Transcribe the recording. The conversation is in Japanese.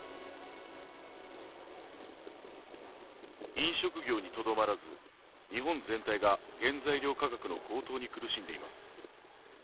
飲食業にとどまらず日本全体が原材料価格の高騰に苦しんでいます。